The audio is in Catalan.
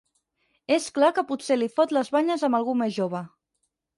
És clar que potser li fot les banyes amb algú més jove.